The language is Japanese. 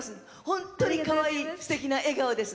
本当にかわいいすてきな笑顔です。